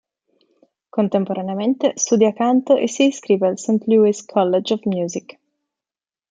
Contemporaneamente studia canto e si iscrive al Saint Louis College of Music.